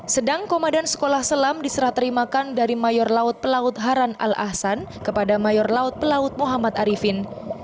sedang komandan sekolah selam diserah terimakan dari mayor laut pelaut haran al ahsan kepada mayor laut pelaut muhammad arifin